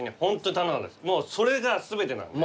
もうそれが全てなんで。